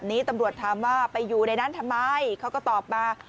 ตำรวจถามว่าไปอยู่ในนั้นทำไมเขาก็ตอบมา